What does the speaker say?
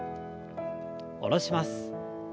下ろします。